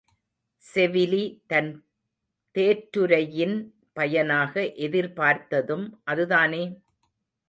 செவிலி தன் தேற்றுரையின் பயனாக எதிர்பார்த்ததும் அதுதானே?